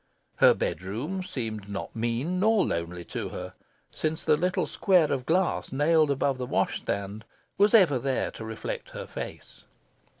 Her bedroom seemed not mean nor lonely to her, since the little square of glass, nailed above the wash stand, was ever there to reflect her face.